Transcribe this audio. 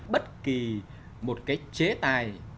bất kỳ một cái chế tài